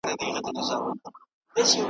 له سهاره تر ماښامه به کړېږم .